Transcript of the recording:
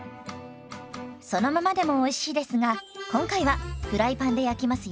そのままでもおいしいですが今回はフライパンで焼きますよ。